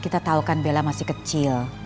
kita tahu kan bella masih kecil